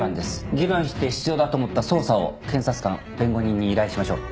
議論して必要だと思った捜査を検察官弁護人に依頼しましょう。